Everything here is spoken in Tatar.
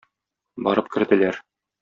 Барып керделәр.